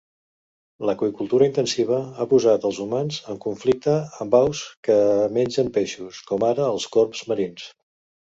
L'aqüicultura intensiva ha posat els humans en conflicte amb aus que mengen peixos, com ara els corbs marins.